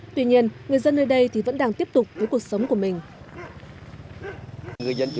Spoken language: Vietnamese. tuy nhiên người dân nơi đây vẫn đang tiếp tục với cuộc sống của mình